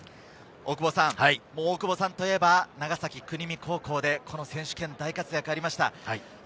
大久保さんといえば、長崎・国見高校で選手権の大活躍がありました。